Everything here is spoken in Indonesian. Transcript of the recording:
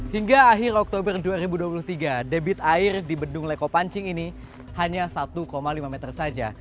hingga akhir oktober dua ribu dua puluh tiga debit air di bendung leko pancing ini hanya satu lima meter saja